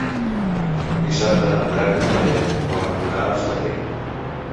Dissabte en Drac i na Lea volen anar a Hostalric.